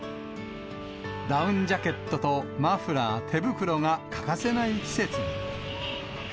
ダウンジャケットとマフラー、手袋が欠かせない季節に。